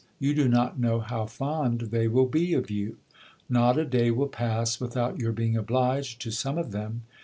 You do not know how fond they will be of you. Not a day will pass without your being obliged to some of them.